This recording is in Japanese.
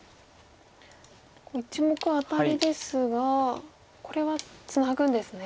１目アタリですがこれはツナぐんですね。